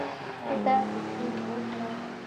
ته داسې سوچ وکړه